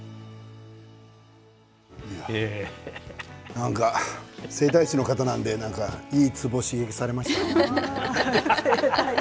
なんか整体師の方なのでいいツボを刺激されましたね。